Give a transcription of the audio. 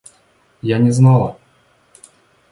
Я не знала.